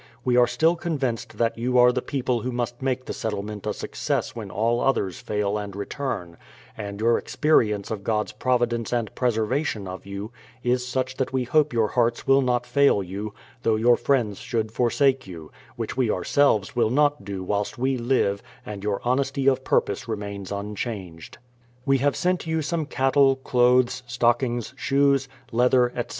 We are still convinced that you are the people who must make the settlement a success when all others fail and return; and your experience of God's providence and preservation of you is such that we hope your hearts will not fail you, though your friends should forsake you,— which we ourselves will not do whilst we live and your honesty of purpose remains unchanged. THE PLYMOUTH SETTLEMENT 165 We have sent j'ou some cattle, clothes, stockings, shoes, leather, etc.